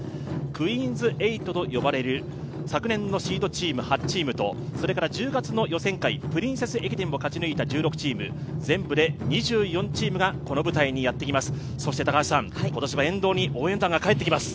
クイーンズ８と呼ばれる、昨年のシードチーム８チームと１０月の予選会、プリンセス駅伝を勝ち抜いた１６チーム、全部で２４チームがこの舞台にやって来ます。